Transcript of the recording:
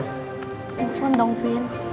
buktian dong vin